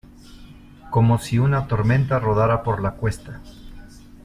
Como si una tormenta rodara por la cuesta.